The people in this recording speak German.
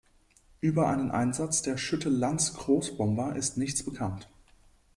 Über einen Einsatz der Schütte-Lanz-Großbomber ist nichts bekannt.